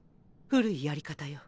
古いやり方よ。